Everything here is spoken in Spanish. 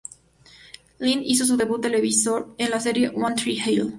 Lind hizo su debut televisivo en la serie "One Tree Hill".